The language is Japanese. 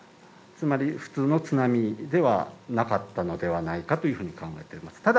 つまり普通の津波ではなかったのではないかと考えております。